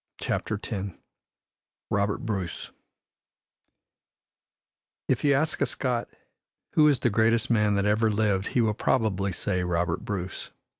CHAPTER X ROBERT BRUCE If you ask a Scot who is the greatest man that ever lived he will probably say Robert Bruce.